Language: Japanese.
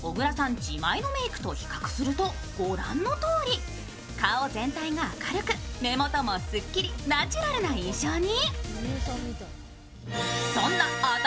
自前のメークと比較すると御覧のとおり、顔全体が明るく目元もすっきりナチュラルな印象に。